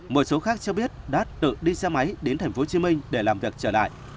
một số khác cho biết đã tự đi xe máy đến thành phố hồ chí minh để làm việc trở lại